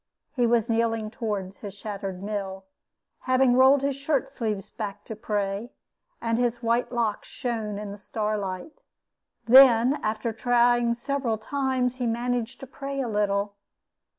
He was kneeling toward his shattered mill, having rolled his shirt sleeves back to pray, and his white locks shone in the starlight; then, after trying several times, he managed to pray a little.